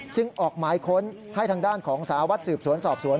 ออกหมายค้นให้ทางด้านของสารวัตรสืบสวนสอบสวน